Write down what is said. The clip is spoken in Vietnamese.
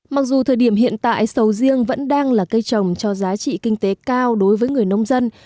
mặc dù thời điểm hiện tại sầu riêng vẫn đang là cây trồng cho giá trị kinh tế cao đối với người nông dân